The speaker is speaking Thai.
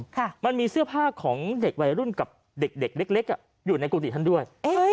ค่ะมันมีเสื้อผ้าของเด็กวัยรุ่นกับเด็กเด็กเล็กเล็กอ่ะอยู่ในกุฏิท่านด้วยเอ้ย